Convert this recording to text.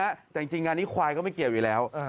แต่จริงงานนี้ควายก็ไม่เกี่ยวอยู่แล้ว